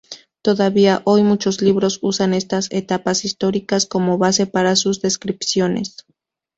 Todavía hoy, muchos libros usan estas etapas históricas como base para sus descripciones.